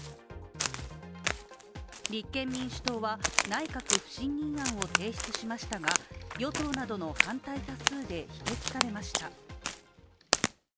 立憲民主党は内閣不信任案を提出しましたが与党などの反対多数で否決されました。